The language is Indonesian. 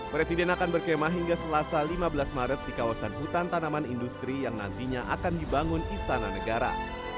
presiden akan berkemah hingga selasa lima belas maret di kawasan hutan tanaman industri yang nantinya akan dibangun istana negara